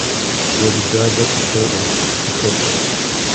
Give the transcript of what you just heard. Уэрыдадэ къыщоуэ ди хэкум